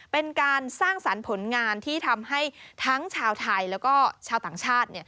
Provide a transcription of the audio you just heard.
เป็นการสร้างสรรค์ผลงานที่ทำให้ทั้งชาวไทยแล้วก็ชาวต่างชาติ